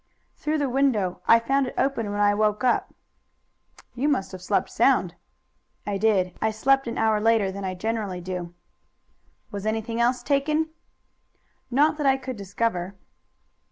"Through the window. I found it open when I woke up." "You must have slept sound." "I did. I slept an hour later than I generally do." "Was anything else taken?" "Not that I could discover."